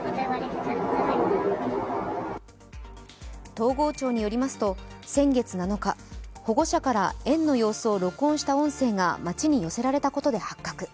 東郷町によりますと先月７日、保護者から園の様子を録音した音声が町に寄せられたことで発覚。